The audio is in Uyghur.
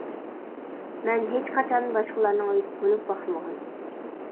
مەن ھېچقاچان باشقىلارنىڭ ئۆيىدە قونۇپ باقمىغان.